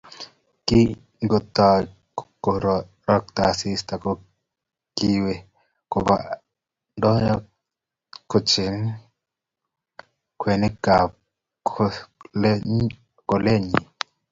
Kingotoi kororokto asista kokue Koba ndonyo kocheng ngwekab koskoleny